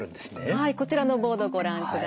はいこちらのボードご覧ください。